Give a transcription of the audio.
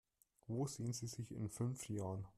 Wo sehen Sie sich in fünf Jahren?